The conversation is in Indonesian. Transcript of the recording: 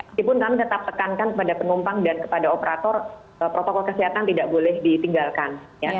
meskipun kami tetap tekankan kepada penumpang dan kepada operator protokol kesehatan tidak boleh ditinggalkan